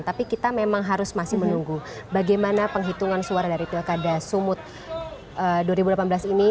tapi kita memang harus masih menunggu bagaimana penghitungan suara dari pilkada sumut dua ribu delapan belas ini